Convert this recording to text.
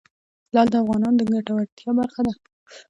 لعل د افغانانو د ګټورتیا برخه ده.